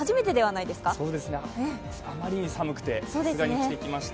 あまりに寒くて、さすがに着てきました。